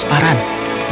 dia bisa melihat korek api